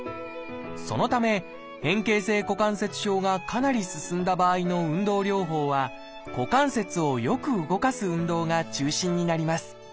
そのため変形性股関節症がかなり進んだ場合の運動療法は股関節をよく動かす運動が中心になります。